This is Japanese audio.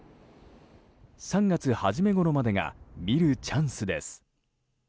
３月初めごろまでが見るチャンスです。